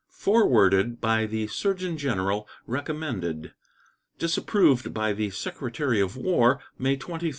Forwarded by the Surgeon General recommended. Disapproved by the Secretary of War May 23, 1871.